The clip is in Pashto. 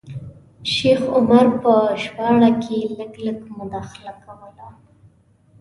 شیخ عمر په ژباړه کې لږ لږ مداخله کوله.